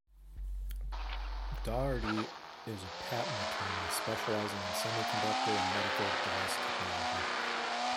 Doherty is a patent attorney, specializing in semiconductor and medical device technology.